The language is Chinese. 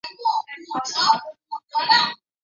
车站最早的需求来自米德兰铁路公司。